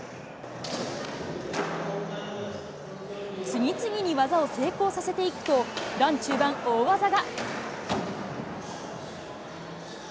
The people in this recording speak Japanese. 次々に技を成功させていくと、ラン中盤、大技が。